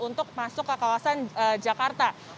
untuk masuk ke kawasan jakarta